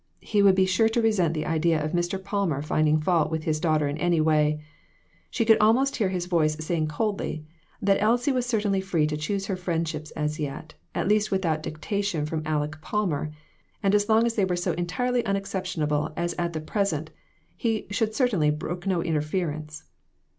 He would be sure to resent the idea of Mr. Palmer finding fault with his daughter in any way ; she could almost hear his voice saying coldly, that Elsie was certainly free to choose her friendships as yet, at least with out dictation from Aleck Palmer ; and as long as they were so entirely unexceptionable as at pres ent, he should certainly brook no interference.